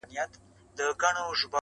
یو سړی وو خدای په ډېر څه نازولی،